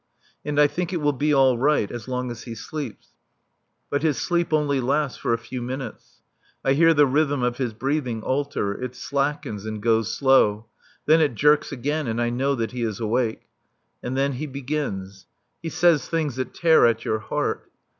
And I think it will be all right as long as he sleeps. But his sleep only lasts for a few minutes. I hear the rhythm of his breathing alter; it slackens and goes slow; then it jerks again, and I know that he is awake. And then he begins. He says things that tear at your heart.